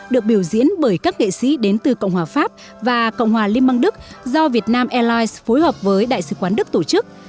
đến bởi các nghệ sĩ đến từ cộng hòa pháp và cộng hòa liên bang đức do việt nam airlines phối hợp với đại sứ quán đức tổ chức